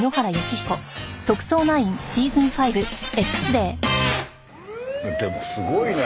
でもすごいね。